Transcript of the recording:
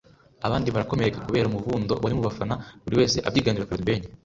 abandi barakomereka kubera umuvundo wari mu bafana buri wese abyiganira kureba The Ben